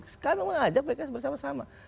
sekarang memang ajak pks bersama sama